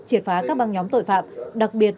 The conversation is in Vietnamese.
triệt phá các băng nhóm tội phạm đặc biệt